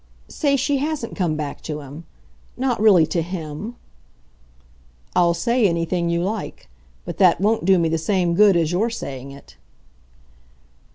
"Say she hasn't come back to him. Not really to HIM." "I'll say anything you like. But that won't do me the same good as your saying it."